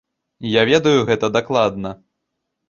Я ведаю гэта дакладна.